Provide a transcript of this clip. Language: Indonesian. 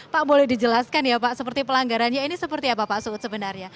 pak boleh dijelaskan ya pak seperti pelanggarannya ini seperti apa pak suud sebenarnya